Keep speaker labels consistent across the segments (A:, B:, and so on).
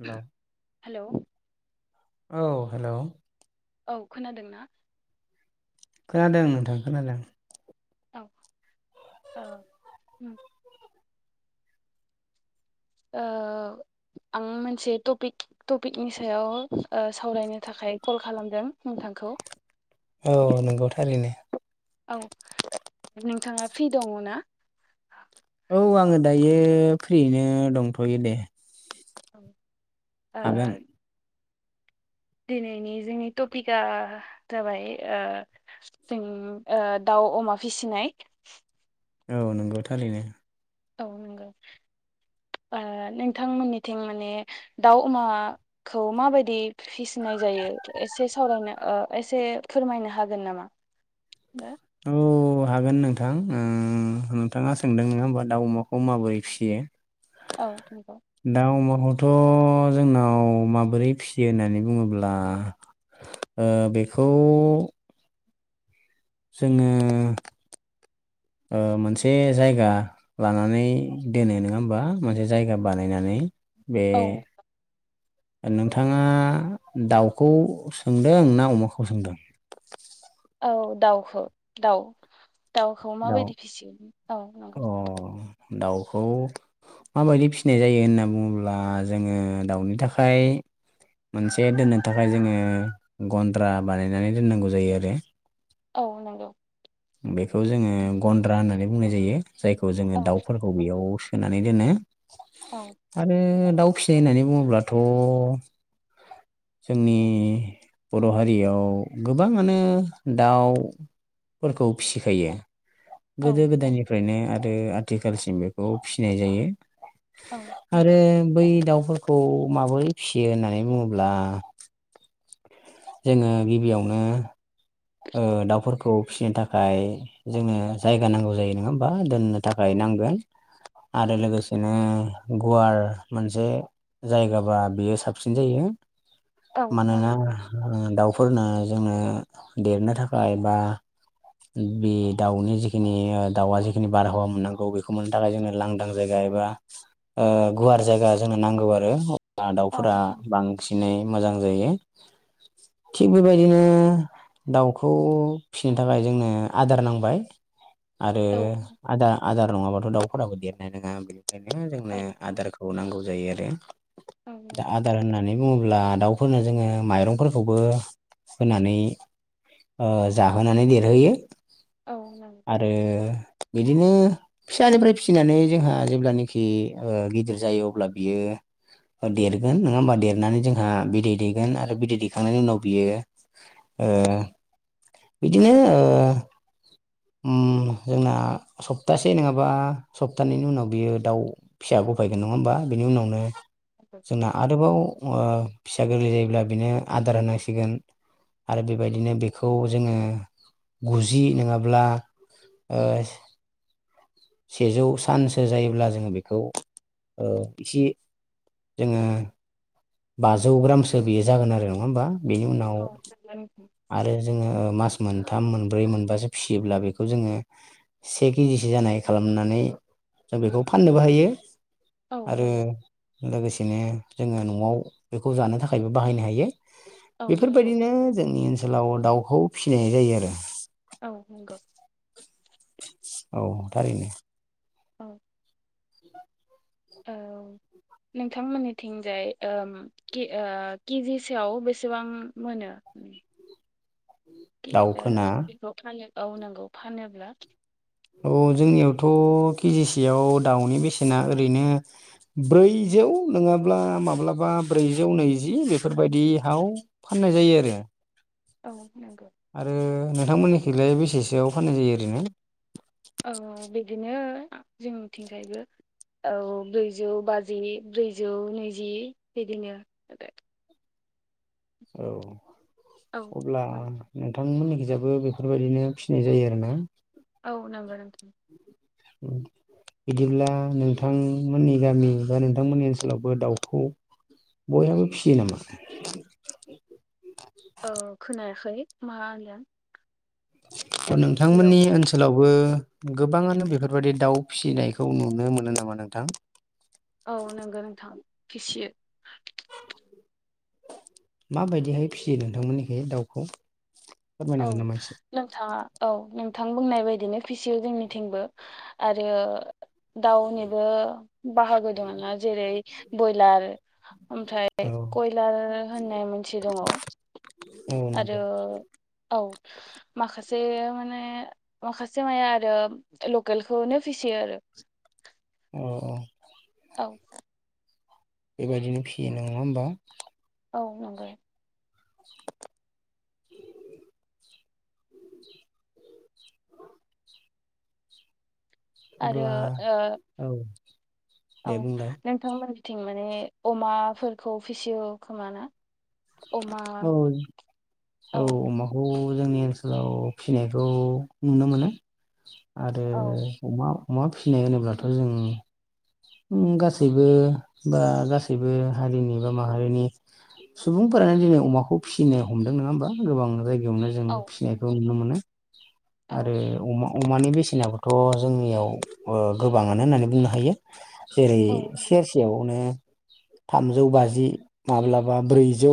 A: Hello
B: hello.
A: औ hello.
B: औ खोनादोंना?
A: खोनादों नोंथां खोनादों।
B: औ ओ उम। ओ आं मोनसे टपिक टपिकनि सायाव ओ सावरायनो थाखाय कल खालामदों नोंथां। नोंखौ।
A: औ नंगौ थारैनो।
B: औ नोंथाङा फ्रि दङ ना?
A: औ आङो दायो फ्रियैनो दंथ'यो दे।
B: ओ।
A: हागोन
B: दिनैनि जोंनि टपिकआ जाबाय ओ जों ओ दाउ अ अमा फिसिनाय।
A: औ नंगौ थारैनो।
B: औ नोंगौ। ओ नोंथांमोननिथिं माने दाउ अमाखौ माबायदि फिसिनो? नाय जायो एसे सावरायनो ओ एसे फोरमायनो हागोन नामा?
A: औ। उ हागोन नोंथां उम नोंथाङा सोंदों नङा होमबा दाउ अमाखौ माबोरै फिसियो?
B: औ नंगौ।
A: नवावथ' जोंनाव माबोरै फिसियो होननानै बुङोब्ला ओ बेखौ जोङो ओ मोनसे जायगा लानानै दोनो नङा होमबा मोनसे जायगा बानायनानै? बे
B: औ
A: ओ नोंथाङा दाउखौ सोंदों ना अमाखौ सोंदों?
B: औ दाउखौ दाउ दाउखौ
A: दाउ
B: माबायदि फिसिगोन औ
A: अ
B: नंगौ।
A: दाउखौ माबायदि फिसिनाय जायो होनना बुङोब्ला जोङो दाउनि थाखाय मोनसे दोननो थाखाय जोङो गन्द्रा बानायनानै दोननांगौ जायो आरो।
B: औ नंगौ।
A: बेखौ जोङो गन्द्रा होननानै बुंनाय जायो जायखौ जोङो
B: औ
A: दाउफोरखौ
B: नंगौ
A: बेयाव सोना नानै दोनो
B: औ
A: आरो दाउ फिसि होननानै बुङोब्लाथ' जोंनि बर' हारियाव गोबाङानो दाउ फोरखौ फिसिखायो।
B: औ
A: गोदो
B: नंगौ
A: गोदायनिफ्रायनो आरो आथिखालसिम बेखौ फिसिनाय जायो।
B: औ
A: आरो
B: नंगौ
A: बै दाउफोरखौ माबोरै फिसियो होननानै बुङोब्ला [unintelligible] जोङो गिबियावनो ओ दाउफोरखौ फिसिनो थाखाय जोंनो जायगा नांगौ जायो नङा होमबा दोननो थाखाय नांगोन आरो लोगोसेनो गुवार मोनसे जायगाबा बेयो साबसिन जायो।
B: औ
A: मानोना
B: नंगौ
A: ओ दाउफोरनो जोंनो। देरनो थाखाय बा बे दाउनि जिखिनि ओ दाउआ जिखिनि बारहावा मोननांगौ बेखौ मोननो थाखाय जोंनो लांदां जायगा एबा ओ गुवार जायगा जोंनो नांगौ आरो
B: औ
A: दाउफोरा बांसिनै मोजां जायो थिग बेबायदिनो दाउखौ फिसिनो थाखाय जोंनो आदार नांबाय आरो आदा आदार नङाबाथ' दाउफोराबो देरनाय नङा बेनिखायनो जोंनो आदारखौ नांगौ जायो आरो।
B: औ नंगौ
A: आदार होन नानै बुङोब्ला दाउफोरनो जोङो माइरंफोरखौबो होनानै ओ जाहोनानै देरहोयो
B: औ नंगौ
A: आरो बिदिनो फिसानिफ्राय फिसिनानै जोंहा जेब्लानाखि ओ गिदिर जायो अब्ला बियो देरगोन नङा होमबा देरनानै जोंहा बिदै दैगोन आरो बिदै दैखांनायनि उनाव बियो ओ बिदिनो ओ ओम जोंना सप्तासे नङाबा सप्तानैनि उनाव बियो दाउ फिसा गफायगोन नङा होमबा दा बेनि उनावनो जोंना आरोबाव ओ फिसा गोरलै जायोब्ला बेनो आदार होनांसिगोन आरो बेबायदिनो बेखौ जोंङो गुजि नोंङा ब्ला ओ सेजौ सानसो जायोब्ला जोंङो बेखौ ओ इसे जोंङो बाजौ ग्रामसो बेयो जागोन आरो नङा होमबा बेनि उनाव
B: औ नंगौ
A: आरो जोंङो मास मोनथाम मोनब्रै मोनबासो फिसियोब्ला बेखौ जोंङो से केजिसो जानाय खालामनानै जों बेखौ फाननोबो हायो।
B: औ
A: आरो
B: नंगौ
A: लोगोसेनो जोंङो न'आव बेखौ जानो थाखायबो बाहायनो हायो। बेफोरबायदिनो जोंनि ओनसोलाव दाउखौ फिसिनाय जायो आरो।
B: औ नंगौ
A: औ थारैनो
B: औ औ नोंथांमोननिथिंजाय ओ केजि से आव बेसेबां मोनो। [inaudible] ओ
A: दाउखोना
B: बेखौ फानो औ नंगौ फानोब्ला
A: औ जोंनियावथ' केजिसेयाव दाउनि बेसेना ओरैनो ब्रैजौ नङाब्ला माब्लाबा ब्रैजौ नैजि बेफोरबायदियाव फान नाय जायो आरो।
B: औ नंगौ
A: आरो नोंथांमोननिथिंलाय बेसेसोआव फाननाय जायो ओरैनो
B: औ औ बिदिनो जोंथिंजायबो औ औ ब्रैजौ बाजि ब्रैजौ नैजि बिदिनो
A: औ
B: औ
A: अब्ला नोंथांमोननिखिजाबो बेफोरबायदिनो फिसिनाय जायो आरोना।
B: औ नोंगो नों
A: उम बिदिब्ला नोंथांमोननि गामि बा नोंथांमोननि ओनसोलावबो दाउखौ बयहाबो फिसियो नामा
B: ओ खोनायाखै मा होनदों
A: अ
B: हेलौ
A: नोंथांमोननि ओनसोलाव बो गोबाङानो बेफोरबायाददि दाउ फिसिनायखौ नुनो मोनो नामा नोंथां
B: औ नंगौ नोंथां फिसियो
A: माबायदिहाय फियो नोंथांमोननिखाय दाउखौ फोरमायनो
B: औ
A: हागोन नामा एसे?
B: नोंथाङा औ नों थां बुंनाय बायदिनो फिसियो जोंनिथिंबो आरो दाउनिबो बाहागो दंङोंना जेरै बयलार
A: औ
B: ओमफ्राय कयलार होननाय मोनसे दङ
A: औ
B: आरो
A: नंगौ
B: औ माखासे माने माखासे माया आरो लकेलखौनो फिसियो आरो [inaudible]
A: औ औ
B: औ
A: बेबायदिनो फियो नङा होमबा
B: औ नंगौ
A: [inaudible] [inaudible]
B: आरो
A: अब्ला
B: ओ
A: औ दे
B: औ
A: बुंलाय
B: नोंथांमोननिथिं माने अमाफोरखौ फिसियो खोमाना औ
A: औ-औ अमाखौ जोंनि ओनसोलाव फिसिनायखौ नुनो मोनो आरो
B: औ
A: अमा अमा फिसिनाय होनोब्लाथ' जों गासैबो बा गासैबो हारिनि बा माहारिनि सुबुंफोरानो दिनै अमाखौ फिसिनो हमदों नङा होमबा गोबां जायगायाव नो जों
B: औ
A: फिसिनायखौ
B: नंगौ
A: नुनो
B: औ
A: आरो अमा [unintelligible] बासेनाबोथ' जोंनियाव ओ गोबाङानो होननानै बुंनो हायो जेरै
B: औ
A: सेरसेयावनो थामजौ बाजि माब्लाबा ब्रै जौ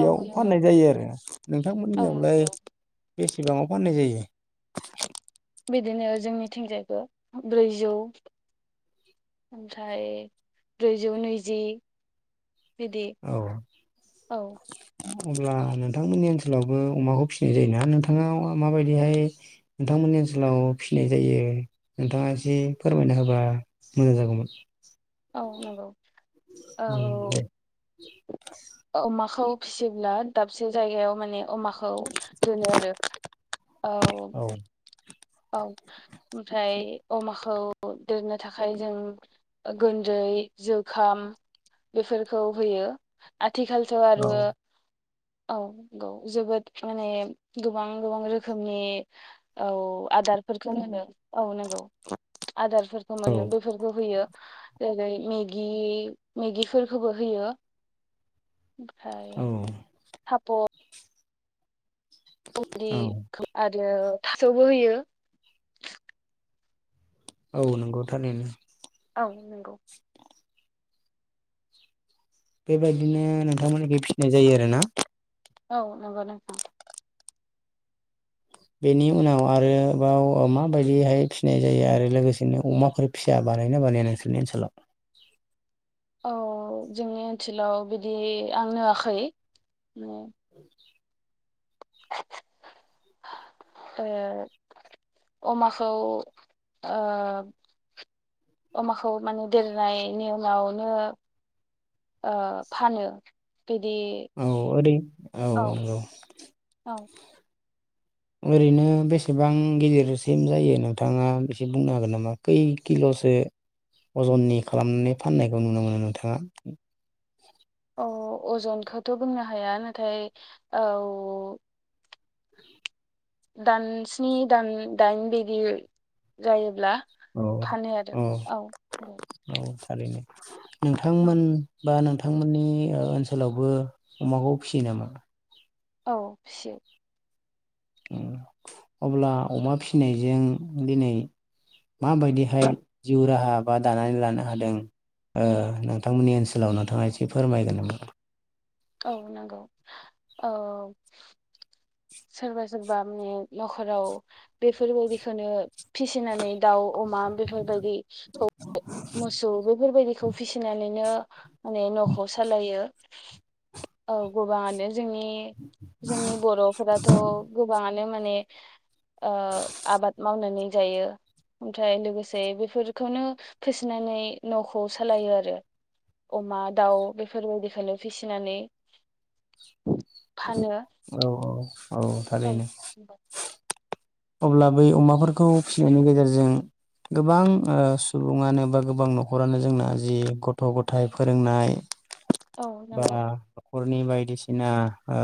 B: औ नंगौ
A: फाननाय जायो आरो
B: औ
A: नोंथांमोननियावलाय
B: नंगौ
A: बेसेबाङाव फाननाय जायो
B: बिदिनो जोंनि थिंजायबो ब्रैजौ ओमफ्राय ब्रैजौ नैजि बिदि
A: औ
B: औ
A: अब्ला नोंथांमोननि ओनसोलावबो अमाखौ फिसिनाय जायो ना नोंथाङाव माबायदिहाय नोंथां मोननि ओनसोलाव फिसिनाय जायो नोंथाङा एसे फोरमायना होबा मोजां जागौमोन
B: औ नोंगौ औ
A: उम [inaudible]
B: अमाखौ फिसिब्ला दाबसे जायगायाव माने अमाखौ दोनो आरो औ
A: औ
B: औ ओमफ्राय अमाखौ दोरनो थाखाय जों गोन्दै जोखाम बेफोरखौ होयो आथिखालथ' आरो
A: औ
B: औ नंगौ जोबोद माने गोबां गोबां रोखोमनि औ आदारफोरखौ होनो औ नंगौ आदारफोरखौ मोनो बेफोरखौ होयो जेरै मेगि मेगिफोरखौबो होयो ओमफ्राय
A: औ
B: फाप
A: औ
B: गुन्दै आरो थास'बो होयो
A: औ नंगौथारैनो
B: औ नंगौ
A: बेबायदिनो नोंथांमोननिखै फिसिनाय जायो आरोना
B: औ नंगौ नोंथां
A: बेनि उनाव आरोबाव माबायदिहाय फिसिनाय जायो आरो लोगोसेनो अमाफोर फिसियाबा बानायोना बानाया नोंसोरनि ओनसोलाव
B: औ जोंनि ओनसोलाव बिदि आं नुवाखै ए अमाखौ ओ अमाखौ माने देरनायनि उनावनो ओ फानो बिदि
A: औ ओरै औ नंगौ
B: औ-औ
A: ओरैनो बेसेबां गिदिरसिम जायो नोंथाङा एसे बुंनो हागोन नामा खै किल' से अजननि खालामनानै फाननायखौ नुनो मोनो नोंथाङा
B: औ अजनखौथ' बुंनो हाया नाथाय औ
A: [inaudible]
B: दान स्नि दान दाइन बिदि जायोब्ला
A: औ
B: फानो आरो औ नंगौ
A: औ थारैनो नोंथांमोन बा नोंथां नोंथांमोननि ओनसोलावबो अमाखौ फिसियो नामा
B: औ फिसियो
A: उम
B: [inaudible]
A: अब्ला अमा फिसिनायजों दिनै माबायदिहाय जिउ राहा बा दानानै लानो हादों। ओ नोंथांमोननि ओनसोलाव नोंथाङा एसे फोरमायगोन नामा?
B: औ नंगौ औ सोरबा सोरबा माने न'खराव बेफोरबायदिखौनो फिसिनानै दाउ अमा बेफोरबायदिखौ मोसौ बेफोरबायदिखौ फिसिनानैनो माने न'खौ सालायो औ गोबाङानो जोंनि जोंनि बर'फोराथ' गोबांङानो माने ओ आबाद मावनानै जायो। ओमफ्राय लोगोसे बेफोरखौनो फिसिनानै न'खौ सालायो आरो अमा दाउ बेफोरबायदिखौनो फिसिनानै फानो
A: औ औ औ थारैनो अब्ला बै अमाफोरखौ फिसिनायनि गेजेरजों गोबां ओ सुबुङानो बा गोबां न'खरानो जोंना जि गथ' गथाय फोरोंनाय
B: औ
A: बा
B: नंगौ
A: न'खरनि बायदिसिना ओ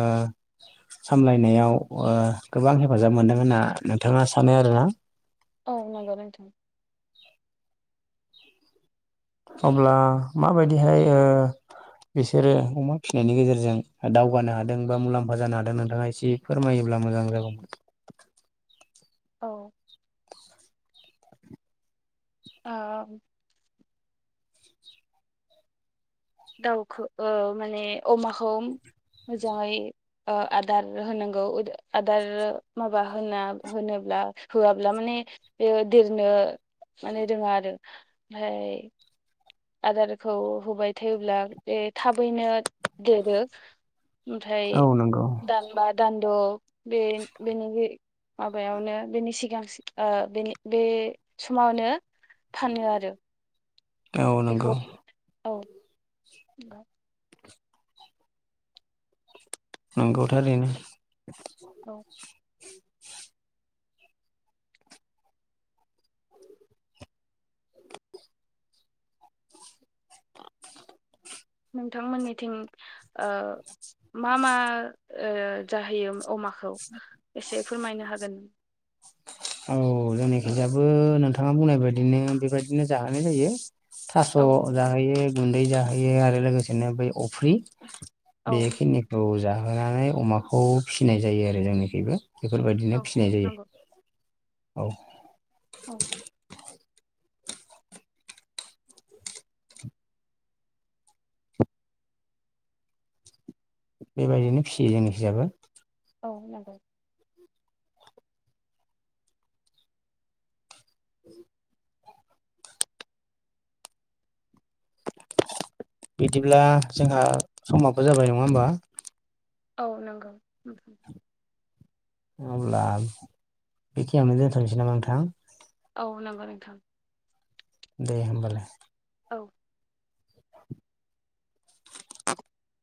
A: सामलायनायाव ओ गोबां हेफाजाब मोनदों होनना नोंथाङा सानो आरोना
B: औ नंगौ नोंथां
A: अब्ला माबायदिहाय ओ बिसोरो अमा फिनायनि गेजेरजों दावगानो हादों बा मुलाम्फा जानो हादों नोंथाङा एसे फोरमायो ब्ला मोजां जागौमोन
B: औ ओ दाउखौ ओ माने अमाखौ मोजाङै ओ आदार होनांगौ आदार माबा होना होनो होआब्ला माने बेयो देरनो माने रोङो आरो ओमफ्राय आदारखौ होबाय थायोब्ला बे थाबैनो देरो। ओमफ्राय
A: औ नंगौ
B: दानबा दानद' बे बेनि माबायावनो बेनि सिगां ओ बेनि बे समावनो फानो आरो।
A: औ नंगौ
B: बेखौ औ बा
A: नंगौ थारैनो।
B: औ। नोंथांमोननिथिं ओ मा मा ओ जाहैयो अमाखौ एसे फोरमायनो हागोन?
A: औ जोंनिखिजायाबो नोंथाङा बुंनाय बायदिनो बेबायदिनो जाहोनाय जायो। थास'
B: औ
A: जाहोयो गुन्दै जाहोयो आरो लोगोसेनो बै अफ्रि बेखिनिखौ जाहोनानै अमाखौ फिसिनाय जायो आरो जोंनिखैबो बेफोरबायदिनो फिसिनाय जायो।
B: नंगौ
A: औ
B: औ।
A: बेबायदिनो फिसियो जोंनिखि जाबो
B: औ नंगौ
A: [inaudible] बिदिब्ला जोंहा समाबो जाबाय नङा होमबा
B: औ नंगौ।
A: अब्ला बेखिनियावनो दोनथ'नोसै नामा नोंथां?
B: औ नंगौ नोंथां।
A: दे होमबालाय।
B: औ।
A: [inaudible]